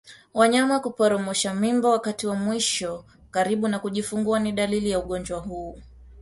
Wanyama kuporomosha mimba wakati wa mwisho karibu na kujifungua ni dalili za ugonjwa huu